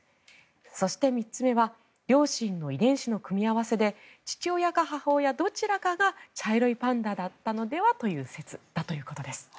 そして、３つ目は両親の遺伝子の組み合わせで父親か母親どちらかが茶色いパンダだったのではという説です。